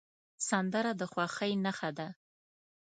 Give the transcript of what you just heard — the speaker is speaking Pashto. سندره د خوښۍ نښه ده